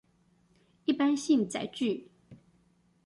一般性載具